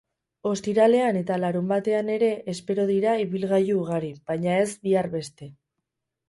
Ostiralean eta larunbatean ere espero dira ibilgailu ugari, baina ez bihar beste.